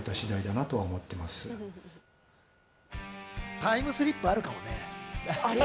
タイムスリップあるかもね。